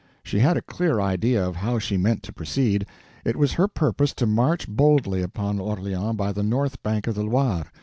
She had a clear idea of how she meant to proceed. It was her purpose to march boldly upon Orleans by the north bank of the Loire.